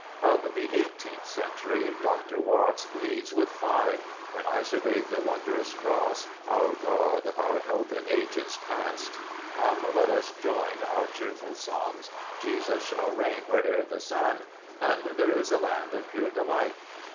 Of the eighteenth century, Dr. Watts leads with five, — "When I survey the wondrous cross," "Our God, our Help in ages past," " Come, let us join our cheerful songs," "Jesus shall reign where'er the sun," and "There is a land of pure delight."